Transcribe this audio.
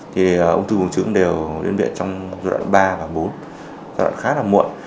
thì ông thư buồng trứng đều đến viện trong giai đoạn ba và bốn giai đoạn khá là muộn